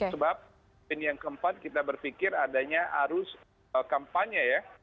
sebab yang keempat kita berpikir adanya arus kampanye ya